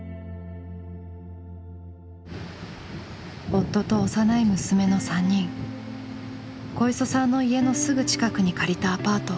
夫と幼い娘の３人小磯さんの家のすぐ近くに借りたアパート。